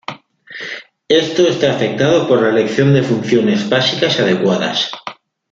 Esto está afectado por la elección de funciones básicas adecuadas.